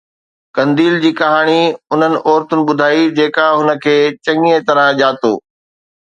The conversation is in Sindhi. قنديل جي ڪهاڻي انهن عورتن ٻڌائي جيڪا هن کي چڱيءَ طرح ڄاتو